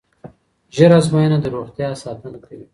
ژر ازموینه د روغتیا ساتنه کوي.